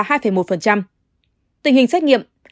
tình hình xét nghiệm